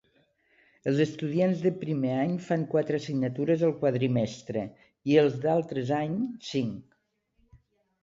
Els estudiants de primer any fan quatre assignatures al quadrimestre, i els d'altres any, cinc.